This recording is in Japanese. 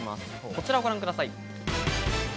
こちらをご覧ください。